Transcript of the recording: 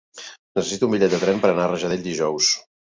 Necessito un bitllet de tren per anar a Rajadell dijous.